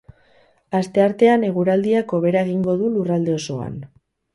Asteartean eguraldiak hobera egingo du lurralde osoan.